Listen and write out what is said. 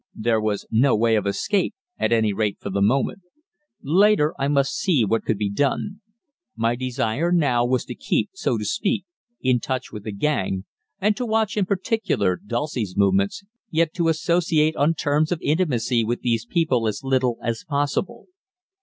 There was no way of escape, at any rate for the moment. Later I must see what could be done. My desire now was to keep, so to speak, in touch with the gang, and to watch in particular Dulcie's movements, yet to associate on terms of intimacy with these people as little as possible.